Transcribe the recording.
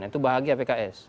itu bahagia pks